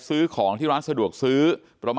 แล้วก็ช่วยกันนำนายธีรวรรษส่งโรงพยาบาล